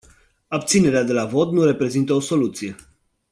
Abținerea de la vot nu reprezintă o soluție.